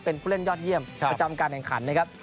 เป็นผู้เล่นยอดเยี่ยมประจำการแข่งขันนะครับ